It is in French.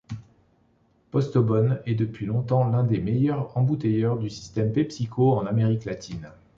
Postobón est depuis longtemps l'un des meilleurs embouteilleurs du système Pepsico en Amérique latine.